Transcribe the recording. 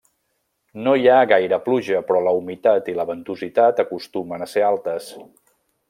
No hi ha gaire pluja però la humitat i la ventositat acostumen a ser altes.